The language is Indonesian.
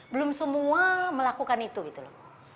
belum semua melakukan itu gitu loh